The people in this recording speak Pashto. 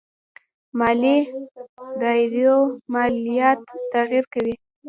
مالي داراییو ماليات تغير کوي.